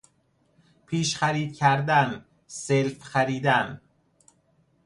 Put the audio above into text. پیش خرید کردن، سلف خریدن